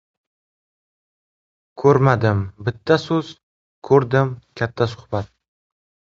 • “Ko‘rmadim” — bitta so‘z, “ko‘rdim” — katta suhbat.